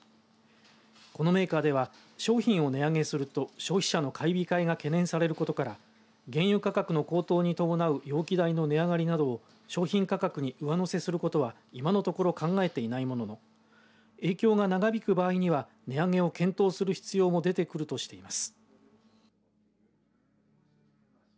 このメーカーでは商品を値上げすると消費者の買い控えが懸念されることから原油価格の高騰に伴う容器代の値上がりなどを商品価格に上乗せすることは今のところ考えていないものの影響が長引く場合には値上げを検討する必要も出てくるとしています。